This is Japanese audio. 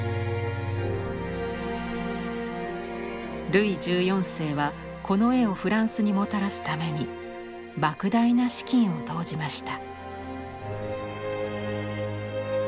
ルイ１４世はこの絵をフランスにもたらすために莫大な資金を投じました。